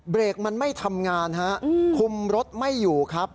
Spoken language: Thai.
เบรกมันไม่ทำงานฮะคุมรถไม่อยู่ครับ